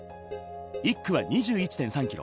１区は２１．３ｋｍ。